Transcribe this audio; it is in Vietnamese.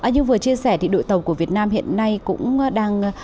như vừa chia sẻ thì đội tàu của việt nam hiện nay cũng đang